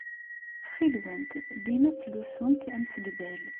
Ttxil-went, dima ttlusumt amsegdal.